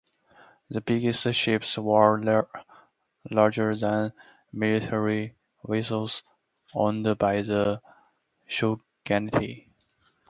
The biggest ships were larger than military vessels owned by the Shogunate.